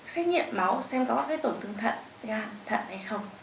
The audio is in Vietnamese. xét nghiệm máu xem có cái tổn thương thận gan thận hay không